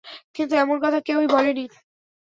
কিন্তু এমন কথা কেউই বলেননি।